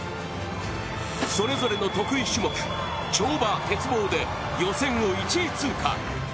それぞれの得意種目跳馬、鉄棒で予選を１位通過。